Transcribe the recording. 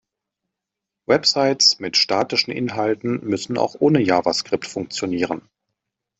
Websites mit statischen Inhalten müssen auch ohne Javascript funktionieren.